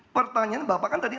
pertanyaan bapak kan tadi